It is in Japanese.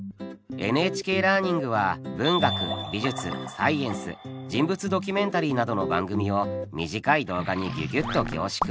「ＮＨＫラーニング」は文学美術サイエンス人物ドキュメンタリーなどの番組を短い動画にギュギュッと凝縮。